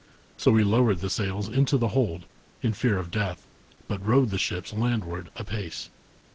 So we lowered the sails into the hold, in fear of death, but rowed the ships landward, apace.